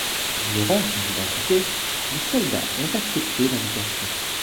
Ignorant son identité, les soldats ont accepté l'invitation.